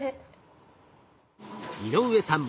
井上さん